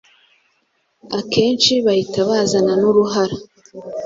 akenshi bahita bazana n’uruhara